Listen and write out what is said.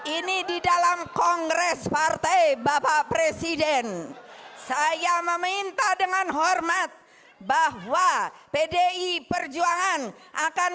ini di dalam kongres partai bapak presiden saya meminta dengan hormat bahwa pdi perjuangan akan